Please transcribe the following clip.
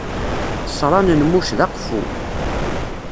Ṣṣran n muc d aqeffu.